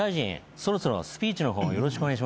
そろそろスピーチの方よろしくお願いします。